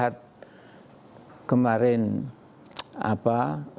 sehat kemarin apa